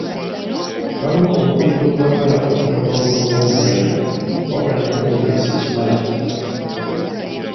Waliwo obubinja obwagala okutabula omukolo gw'okulayira, wabula nabo beetegese ekimala.